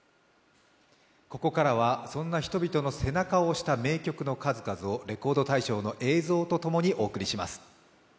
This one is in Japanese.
ここからはそんな人々の背中を押した名曲の数々をレコード大賞の映像とともにお届けします。